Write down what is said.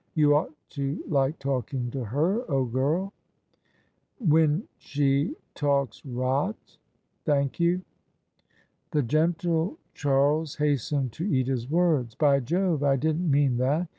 You ought to like talking to her, old girl 1 "" When she talks rot? Thank you." The gentle Charles hastened to eat his words. " By Jove I I didn't mean that.